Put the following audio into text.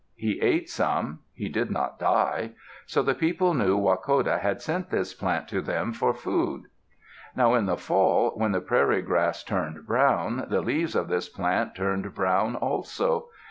He ate some. He did not die. So the people knew Wahkoda had sent this plant to them for food. Now in the fall, when the prairie grass turned brown, the leaves of this plant turned brown also.